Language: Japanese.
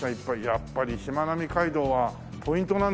やっぱりしまなみ海道はポイントなんだね。